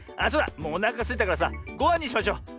もうおなかすいたからさごはんにしましょう。